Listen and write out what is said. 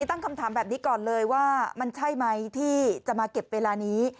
ตั้งคำถามแบบนี้ก่อนเลยว่ามันใช่ไหมที่จะมาเก็บเวลานี้